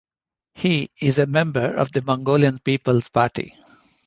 He is a member of the Mongolian People's Party.